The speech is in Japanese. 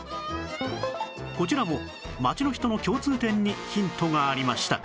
こちらも街の人の共通点にヒントがありました